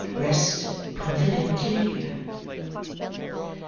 Rest confidently here."